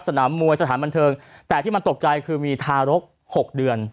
สนามมวยสถานบันเทิงแต่ที่มันตกใจคือมีทารก๖เดือน